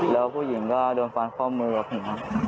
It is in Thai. แล้วผู้หญิงก็โดนฟันข้อมือกับผมครับ